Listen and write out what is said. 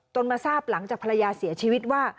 มาทราบหลังจากภรรยาเสียชีวิตว่า